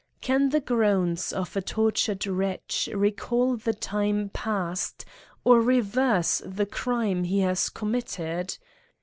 Can the groans of a tortured wretch recal the time pasi, or reverse the crime he has committed